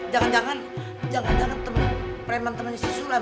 jangan jangan temen temennya si sulam di sini